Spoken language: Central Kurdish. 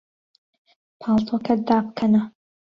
پاڵتۆکەت دابکەنە.